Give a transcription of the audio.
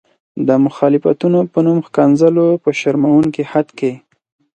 د مخالفتونو په نوم ښکنځلو په شرموونکي حد کې.